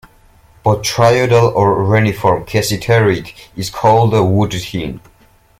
Botryoidal or reniform cassiterite is called "wood tin".